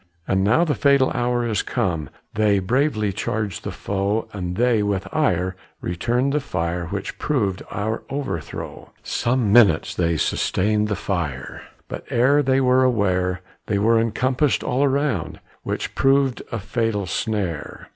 And now the fatal hour is come They bravely charge the foe, And they, with ire, returned the fire, Which prov'd our overthrow. Some minutes they sustained the fire, But ere they were aware, They were encompassed all around, Which prov'd a fatal snare.